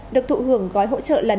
được thụ hưởng gói hỗ trợ lần hai